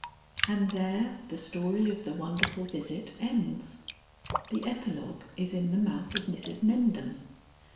And there the story of the Wonderful Visit ends. The Epilogue is in the mouth of Mrs Mendham.